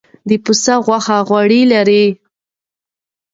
د پسه غوښه غوړ لري.